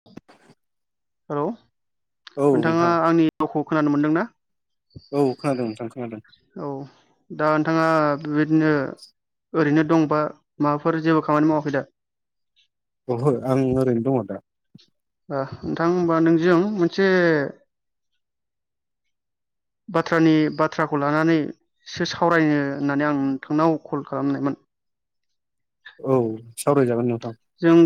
[unintelligible] Hello औ नोंथां नोंथाङा आंनि रावखौ खोनानो मोनदों ना औ खोनादों नोंथां खोनादों औ दा नोंथाङा बिबायदिनो ओरैनो दंबा माबाफोर जेबो खामानि मावाखै दा अहो आं ओरैनो दङ दा नोंथां होमबा नोंजों मोनसे बाथ्रानि बाथ्राखौ लानानै सो सावरायनो होननानै आं नोंथांनाव कल खालामनायमोन औ सावरायजागोन नोंथां जों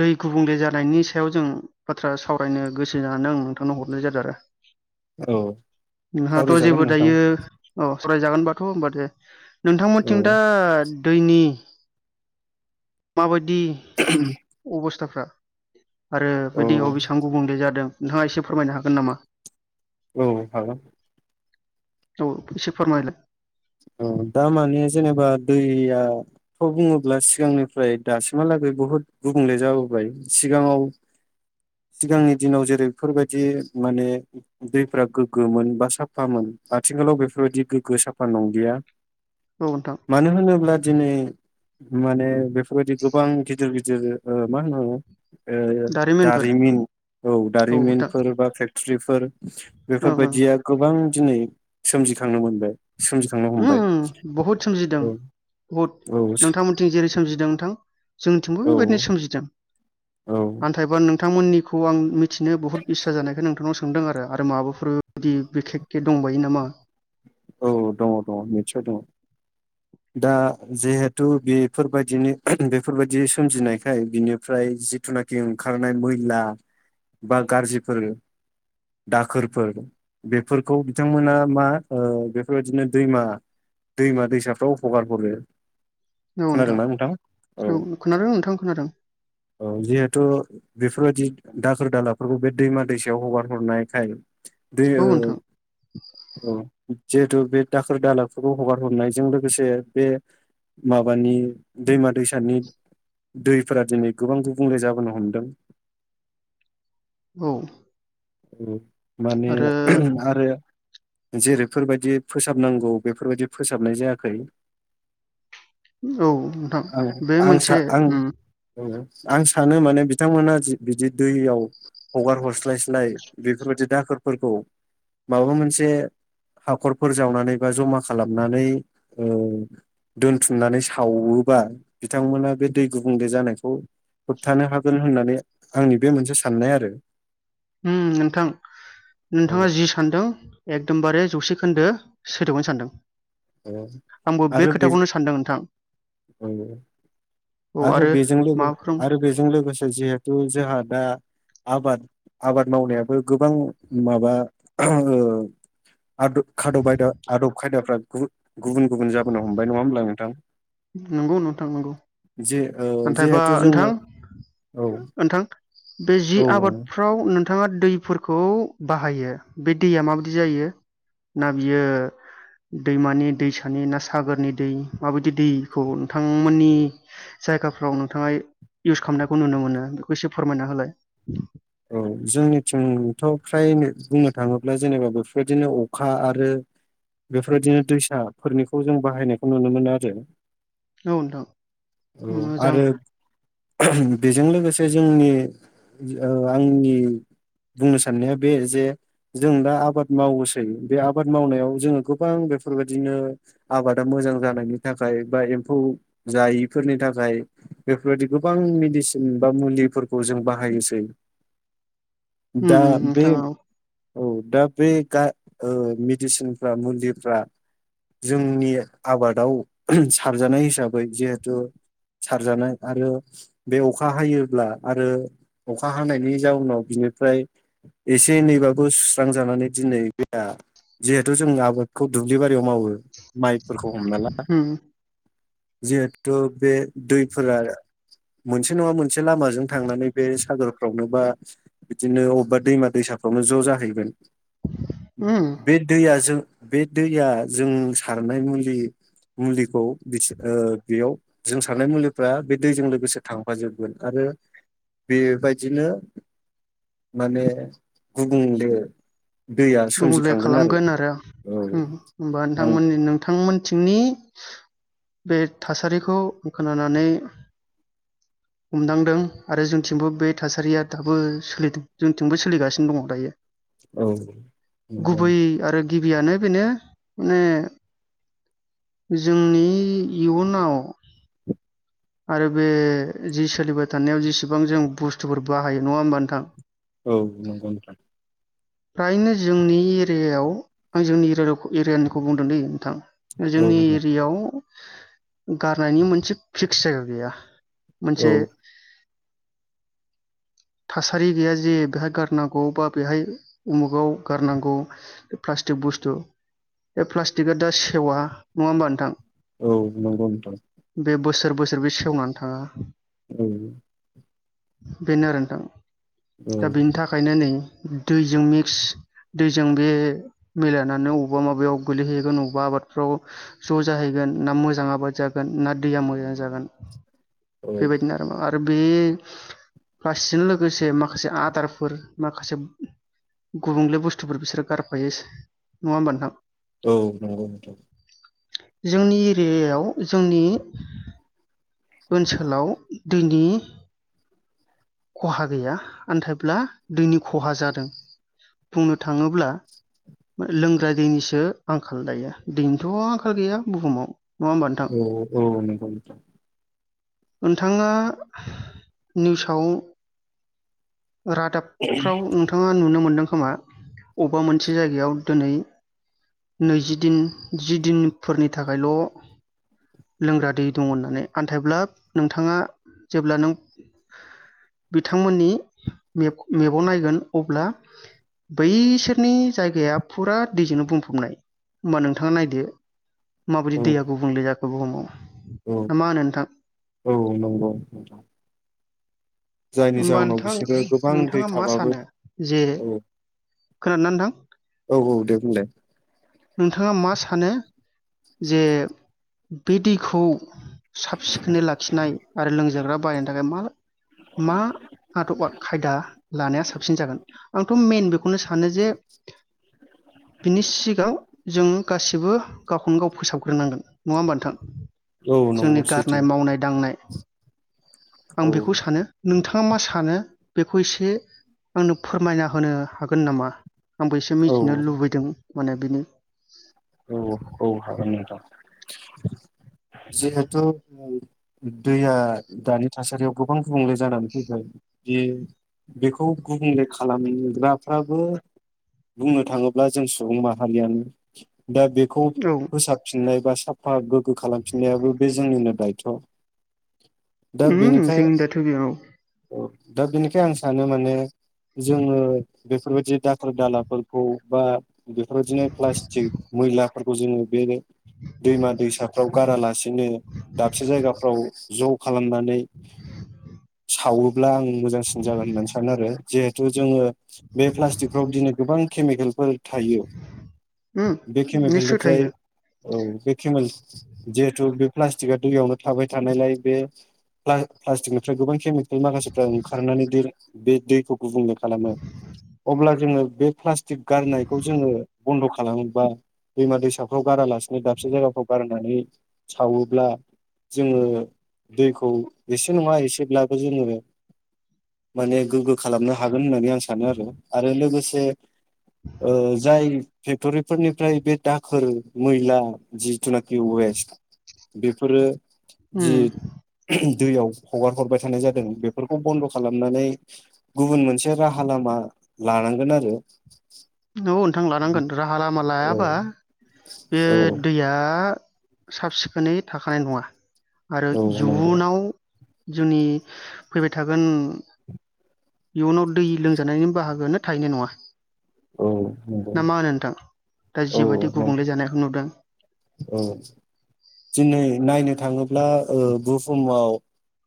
दै गुबुंले जानायनि सायाव जों बाथ्रा सावरायनो गोसो जानानै आं नोंथांनाव हरनाय जादों आरो औ नोंहाथ' सावरायजागोन जेबो नोंथां दायो अ सावरायजागोनबाथ' होनबा दे नोंथांमोनथिं दा औ दैनि माबायदि दि अबस्थाफ्रा [inaudible] आरो औ बे दैयाव बेसेबां गुबुंले जादों नोंथाङा एसे फोरमायनो हागोन नामा औ हि औ एसे फोरमायला औ दा माने जेनेबा दैयाथ' बुङोब्ला सिगांनिफ्राय दासिमहालागै बुहुत गुबुंले जाबोबाय सिगाङाव सिगांनि दिनाव जेरै बेफोरबायदि माने दैफोरा गोग्गोमोन बा साफामोन आथिखालाव बेफोरबायदि गोग्गो साफा फोर नंलिया औ नोंथां मानो होनोब्ला दिनै माने बेफोरबायदि गोबां गिदिर गिदिर ओ मा होनो ओ दारिमिनफोर दारिमिन औ दारिमिनफोर बा पेक्ट ट्रिफोर ओं ओं बेफोरबायदिया गोबां दिनै सोमजिखांनो मोनबाय सोमजिखांनो हमबाय ओम बहुद सोमजिदों औ बहुद औ नोंथांमोनथिं जेरै सोमजिदों नोंथां जोंनिथिंबो बेबायदिनो सोमजिदों औ आन्थाइबा नों नोंथांमोननिखौ आं मिथिनो बहुत इस्सा जानायखाय नोंथांनाव सोंदों आरो माबाफोर बेफोरबादि बिखेक के दंबायो नामा मिथिङाव दं दा जिहेथु बेफोरबायदिनो बेफोरबायदि सोमजिनायखाय बिनिफ्राय जिथुनाखि ओंखारनाय मैला बा गाज्रिफोर दाखोरफोर बेफोरखौ बिथांमोना मा ओ बेफोरबायदिनो दैमा दैमा दैसाफ्राव हगारहरो खोनादोंना नोंथां औ खोनादों नोंथां खोनादों औ जिहेथु बेफोरबायदि दाखोर दालाफोरखौ बे दैमा दैसायाव हगार हरनायखाय दै औ ओ नोंथां औ जिहेतु बे दाखोर दालाफोरखौ हगार हरनायजों लोगोसे बे माबानि दैमा दैसानि दैफोरा दिनै गोबां गुबुंले जाबोनो हमदों औ उम माने आरो आरो जेरैफोरबायदि फोसाबनांगौ बेफोरबायदि फोसाबनाय जायाखै औ नोंथां आं बे आं सा मोनसे आं उम आं सानो माने बिथांमोना बिदि दैयाव हगार हगारहरस्लायस्लाय बेफोरबायदि दाखोरफोरखौ माबा मोनसे हाखरफोर जावनानै बा जमा खालामनानै ओ दोनथुमनानै सावोबा बिथांमोना बे दै गुबुंले जानायखौ होबथानो हागोन होननानै आंनि बे मोनसे साननाय आरो उम नोंथां नोंथाङा जि सानदों एकदमबारे जौसे खोन्दो सैथोखौनो सानदों आंबो बे खोथाखौनो सानदों नोंथां औ औ आरो बेजों लोगो माबाफोर आरो बेजों लोगोसे जिहेथु जोंहा दा आबाद आबाद मावनायाबो गोबां माबा ओ आदब खादब आयदा आदब खायदाफ्रा गुबुन गुबुन जाबोनो हमबाय नङा होनब्ला नोंथां नंगौ नोंथां नंगौ जे औ नाथायबा जिहेथु नोंथां जोङो औ नोंथां बे जि औ आबादफ्राव नो नोंथाङा दैफोरखौ बाहायो बे दैया माबायदि जायो ना बियो दैमानि दैसानि ना सागोरनि दै माबायदि दैखौ नोंथांमोननि जायगाफ्राव नोंथाङा इउस खालामनायखौ नुनो मोनो बेखौ एसे फोरमायना होलाय औ जोंनिथिंथ' फ्राय बुंनो थाङोब्ला जेनेबा बेफोरबायदिनो अखा आरो बेफोरबायदिनो दैसाफोरनिखौ जों बाहायनायखौ नुनो मोनो आरो औ नोंथां मोजां आरो बेजों लोगोसे जोंनि ओ आंनि बुंनो साननाया बे जे जों दा आबाद मावोसै बे आबाद मावनायाव जोङो गोबां बेफोरबायदिनो आबादा मोजां जानायनि थाखाय बा एम्फौ जायिफोरनि थाखाय बेफोरबायदि गोबां मेडिसिन बा मुलिफोरखौ जों बाहायोसै दा उम उम बे थाङाव औ दा बे गा ओ मेडिसिनफ्रा मुलिफ्रा जोंनि आबादाव सारजानाय हिसाबै जिहेथु सारजानाय आरो बे अखा हायोब्ला आरो अखा हानायनि जाउनाव बिनिफ्राय एसे एनैबाबो सुस्रांजानानै दिनै बे जिहेथु जों आबादखौ दुब्लि बारियाव मावो माइफोरखौ हमना ला उम जिहेथु बे दैफोरा मोनसे नङा मोनसे लामाजों थांनानै बे सागर फावनो बा बिदिनो अबेबा दैमा दैसाफ्रावनो ज' जाहैगोन उम बे दैया जों बे दैया जों सारनाय मुलि मुलिखौ ओ बेयाव जों सारनाय मुलिफ्रा बे दैजों लोगोसे थांफाजोबगोन आरो बेबायदि बिदिनो माने गुबुंले दैया गुबुले सोमजिखांगोन खालामगोन आरो औ होम होमबा आं नोंथांमोननि नोंथांमोनथिंनि बे थासारिखौ खोनानानै हमदांदों आरो जोंथिंबो बे थासारिया दाबो सोलिदों जोंथिंबो सोलिगासिनो दङ दायो। औ नंगौ गुबै आरो गिबियानो बेनो माने जोंनि इयुनाव आरो बे जि सोलिबाय थानायाव जेसेबां जों बुस्थुफोर बाहायो नङा होमबा नोंथां औ नंगौ फ्रायनो जोंनि एरियायाव आं जोंनि एरियाना एरियानिखौ बुंदों दै नोंथां औ जोंनि नंगौ एरियायाव गारनायनि मोन से फिक्स जायगा गैया नोंथां औ मोनसे थासारि गैया जे बेहाय गारनांगौ बा बेहाय उमुगाव गारनांगौ बे प्लास्टिक बुस्थु बे प्लास्टिकआ दा सेवा नङा होमबा नोंथां औ नंगौ नोंथां बे बोसोर बे सेवनानै थांङा औ बेनो आरो नोंथां औ दा बिनि थाखायनो नै दुइ जों मिक्स दैजों बे मिलायानानै अबेबा माबायाव गोलैहैगोन अबेबा आबादफ्राव ज' जाहैगोन ना मोजां आबाद जागोन ना दैया मोजां जागोन बेबायदिनो आरो मा बे प्लास्टिकजों लोगोसे माखासे आदारफोर माखासे गुबुंले बुस्थुफोर बिसोरो गारफायो नङा होमबा नोंथां औ नंगौ नोंथां जोंनि एरियायाव जोंनि ओनसोलाव दैनि खहा गैया आन्थायाइब्ला दैनि खहा जादों बुंनो थाङोब्ला लोंग्रा दैनिसो आंखाल दायो दैनिथ' आंखाल गैया बुहुमाव नङा होमबा नोंथां औ औ नंगौ नोंथां नोंथाङा निउसाव रादाबफ्राव नुनो मोनदों खोमा अबेबा मोनसे जायगायाव दोनै नैजि दिन जि दिनफोरनि थाखायल' लोंग्रा दै दङ होननानै आन्थायाइब्ला नोंथाङा जेब्ला नों बिथांमोननि मेप मेपआव नायगोन अब्ला बैसोरनि जायगाया फुरा दैजोंनो बुंफबनाय होमबा नोंथाङा नायदो माबादि औ दैया गुबुंले जाखो बुहुमाव औ ना मा होनो नोंथां औ नंगौ नगौ जायनि होमबा जाउनाव नोंथां बिसोरो गोबां दै नोंथाङा मा थाबाबो सानो जे औ खोनादोंना नोंथां औ औ दे बुंलाय नोंथाङा मा सानो? जे बे दैखौ साब सिखोनै लाखिनाय आरो लोंजाग्रा बारायनो थाखाय मा मा आदबा खायदा लानाया साब साबसिन जागोन आंथ' मइेन बेखौनो सानो जे बिनि सिगाङाव जों गासिबो गावखौनो गाव फोसावगोन फोरोंनांगोन नङा होमबा नोंथां औ जोंनि नंगौ सैथो गारनाय मावनाय दांनाय आं औ बेखौ सानो नोंथां मा सानो बेखौ एसे आंनो फोरमायना होनो हागोन नामा आंबो एसे औ मिथिनो लुबैदों माने बिनि औ औ हागोन नोंथां जिहेथु दैया दानि थासारियाव गोबां गुबुंले जानानै फैबाय बे बेखौ गुबुंले खालामग्राफ्राबो बुंनो थाङोब्ला जों सुबुं माहारियानो दा बेखौ औ फोसाबफिननाय बा साफा गोग्गो खालामफिननायाबो बे जोंनिनो दायथ' उम जोंनि दायत बियो औ औ दा बेनिखाय आं सानो माने जोङो बेफोरबायदि दाखोर दालाफोरखौ बा बेफोरदिनो प्लास्टिक दाखोरफोरखो जों बे दैमा दैसााव गारालासे दिनो दाबसे जायगाफ्राव ज' खालामनानै सावो [unintelligible] मोजांसिन जागोन होन्नानै सानो आरो जे थ जोङो बे प्लास्टिकफ्राव बिदिनो गोबां केमिकेलफोर थायो बे निस्सय केमिकेलनिफ्राय थायो औ बे केमि जिहेथु बे प्लास्टिकआ दैयावनो थाबाय थानायलाय बे प्ला प्लास्टिकनिफ्राय गोबां केमिकेल माखासेफ्रा ओंखारनानै दै बे दैखौ गुबुंले खालामो अब्ला जोङो बे क्लास थिग गारनायखौ जोङो बन्द' खालामोबा दैमा दैसाफ्राव गारालासे दाबसे जायगाफ्राव गारनानै सावोब्ला जोङो दैखौ एसे नङा एसेब्लाबो जोङो माने गोग्गो खालामनो हा गोन होननानै आं सानो आरो आरो लोगो जे ओ जाय फेक्टरि फोरनि फ्राय बे दाखोर मैला जिथुनाखि वेस्ट बेफोरो जि उम [unintelligible] दैयाव हगार हरबाय थानाय जादों बेफोरखौ बन्द' खालामनानै गुबुन मोनसे राहा लामा लानांगोन आरो नंगौ नोंथां लानांगोन राहा लामा औ लायाबा बे औ दैया साब सिखोनै थाखानाय नङा आरो औ नंगौ इयुनाव जोंनि फैबाय थागोन इयुनाव दै लोंजानायनि बाहागोआो थाहैनाय नङा औ नंगौ ना मा होनो नोंथां दा औ जिबायदि नं गुबुंले जानायखौ नुदों औ दिनै नायनो थाङोब्ला ओ बुहुमाव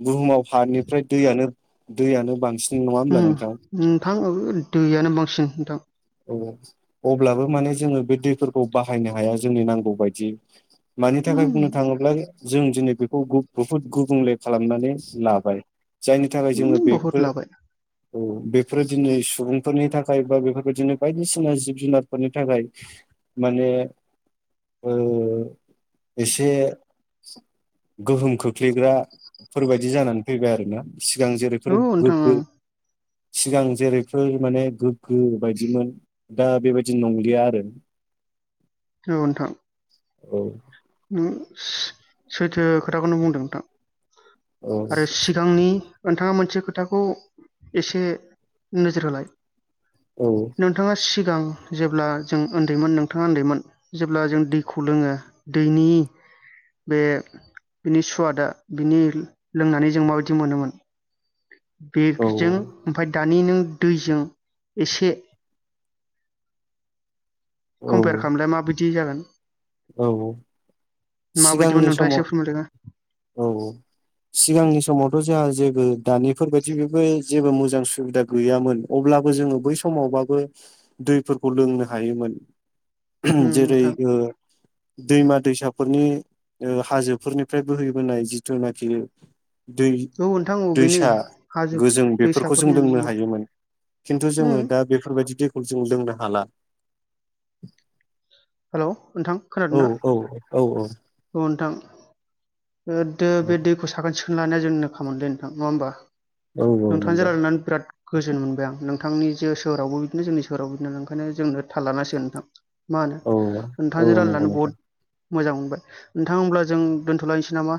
बुहुमाव हानिफ्राय दैयनो दैयानो बांसिन नङा होमब्ला उम नोंथां नोथां ओ दैयानो बां सो नोंथां अ-अब्लाबो माने जोङो बे दैफोरखौ बाहायनो हाया जोंनि नांगौ बायदि मानि थाखाय उम बुंनो थाङोब्ला जों दिनै बेखौ बु बुहुद गुबुंले खालामनानै लाबाय जायनि थाखाय जोङो उम बहुद बेफोर लाबाय औ बेफोर दिनै सुबुंफोरनि थाखाय बा बेफोर बेबदिनो बायदिसिना जिब जुनारफोरनि थाखाय माने ओ एसे गोहोम खोख्लैग्राफोरबायदि जानानै फैबाय आरोना सिगां औ जेरैफोर नोंथां ओं गोग्गो औ सिगां जेरैफोर माने गोग्गो बायदिमोन दा बेबायदि नंलिया आरो औ नोंथां औ सैथो खोथाखौनो बुंदों नोंथां औ आरो सिगांनि नोंथाङा मोनसे खोथाखौ एसे नोजोर होलाय। नोंथाङा सिगा सिगां जेब्ला जों उन्दैमोन नोंथाङा उन्दैमोन जेब्ला जों दैखौ लोङो। दैनि बे बिनि सुवादा बिनि लोंनानै जों माबायदि मोनोमोन? औ बेगजों ओमफ्राय दा नि नों दैजों एसे कमपेयार खालामलाय माबाय बिदि जागोन। औ औ माबायदिमोन सिगांनि नोंथाङा एसे समाव फोरमायदोना औ औ सिगांनि समावथ' जोंहा जेबो दानिफोर बायदि बेबो जेबो मोजां सुबिदा गैयामोन अब्लाबो जोङो बै समावबाबो दैफोरखौ लोंनो हायोमोन। उम जेरै नोंथां ओ- दैमा दैसाफोरनि ओ- हाजोफोरनिफ्राय बोहैबोनाय जिथुनाखि। दै औ नोंथां औ बेनो दैसा हाजो गोजों बेफोरखौ जों दैसाफोरनियानो लोंनो उम हायोमोन खिन्थु जोङो उम दा बेफोरबायदि दैख जों लोंनो हाला। हेलौ। नोंथां औ खोनादोंना औ औ औ नोंथां। औ बे दैखौ साखोन सोंनानो जमा खालामननानै दोनो नोंथां नङा होमबा? औ औ नोंथांजों नंगौ रायलायनानै बिराद गोजोन मोनबाय आं नोंथां। नोंथांनि जि सोहोरावबो बिदिनो जोंनि सोरहाव बिदिनो ओंखायनो जोङो थाल लानांसिगोन नोंथां। होनो औ औ नोंथांजों नंगौ रायलायनानै बहुत नोंथां। मोजां मोनबाय नोंथां होनब्ला जों दोन्थ'लायनोसै नामा?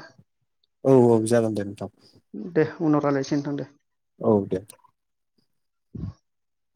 औ औ जागोन दे नोंथां। दे उनाव रायलायसै नोंथां दे। औ दे। [inaudible]